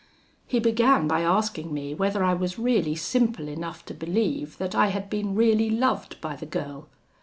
"He began by asking me whether I was really simple enough to believe that I had been really loved by the girl.